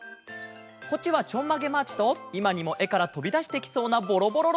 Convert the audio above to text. こっちは「ちょんまげマーチ」といまにもえからとびだしてきそうな「ボロボロロケット」。